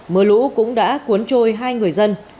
mưa lũ cũng đã cuốn trôi hai người dân